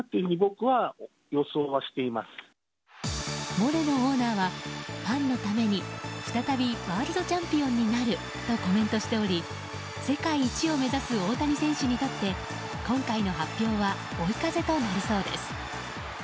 モレノオーナーはファンのために再びワールドチャンピオンになるとコメントしており世界一を目指す大谷選手にとって今回の発表は追い風となりそうです。